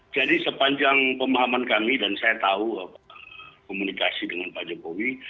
jadi sepanjang pemahaman kami dan saya tahu komunikasi dengan pak jokowi